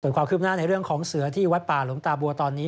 ความคืบหน้าในเรื่องของเสือที่วัดป่าหลวงตาบัวตอนนี้